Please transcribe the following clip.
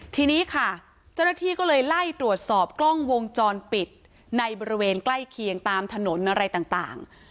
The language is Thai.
ทีนี้ค่ะเจ้าหน้าที่ก็เลยไล่ตรวจสอบกล้องวงจรปิดในบริเวณใกล้เคียงตามถนนอะไรต่าง